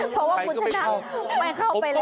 เพราะว่าคุณชนะไม่เข้าไปแล้ว